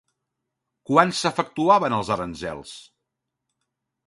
Quan s'efectuaven els aranzels?